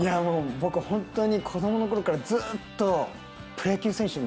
僕本当に子供の頃からずっとプロ野球選手になりたくて。